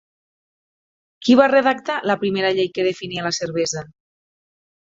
Qui va redactar la primera llei que definia la cervesa?